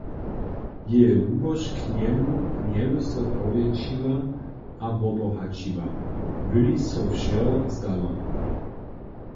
Jeje lubosć k njemu njeby so powjetšiła a wobohaćiła, by-li so wšeho wzdała.